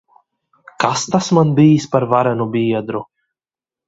Kas tas man bijis par varenu biedru!